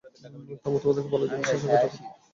থামো, তোমাদেরকে পালার জন্য শসাকে টাকা দিতে হবে।